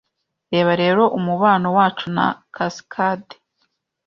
reba rero umubano wacu na cascade